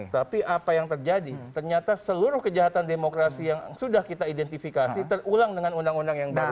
tapi apa yang terjadi ternyata seluruh kejahatan demokrasi yang sudah kita identifikasi terulang dengan undang undang yang baru